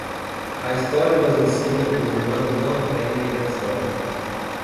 A história nos ensina que os humanos não aprendem da história.